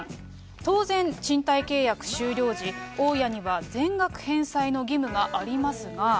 当然、賃貸契約終了時、大家には全額返済の義務がありますが。